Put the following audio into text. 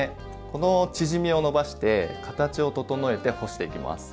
この縮みを伸ばして形を整えて干していきます。